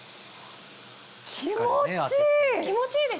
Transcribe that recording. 気持ちいい！